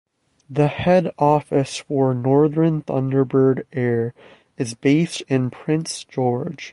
The head office for Northern Thunderbird Air is based in Prince George.